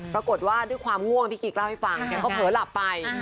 ปรากฏว่าด้วยความง่วงพี่กิ๊กเล่าให้ฟังแกก็เผลอหลับไป